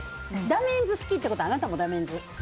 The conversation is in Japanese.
ダメンズ好きってことはあなたもダメンズ。